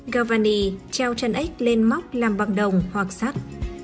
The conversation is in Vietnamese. gavani treo chân ếch lên móc làm bằng đồng hoặc sắt